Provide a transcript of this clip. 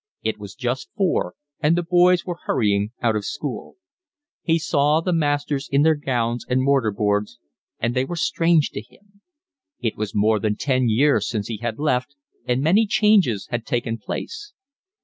It was just four and the boys were hurrying out of school. He saw the masters in their gowns and mortar boards, and they were strange to him. It was more than ten years since he had left and many changes had taken place.